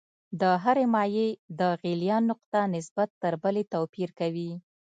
د هرې مایع د غلیان نقطه نسبت تر بلې توپیر کوي.